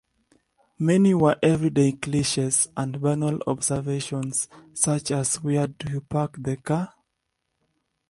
Many were everyday cliches and banal observations, such as Where'd you park the car?